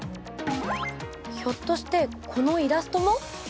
ひょっとしてこのイラストも？